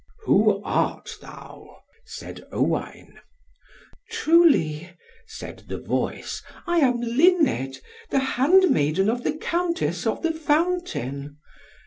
"Who art thou?" said Owain. "Truly," said the voice, "I am Luned, the hand maiden of the Countess of the Fountain."